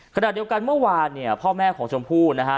ขณะเดียวกันเมื่อวานเนี่ยพ่อแม่ของชมพู่นะฮะ